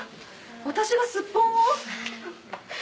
私がスッポンを？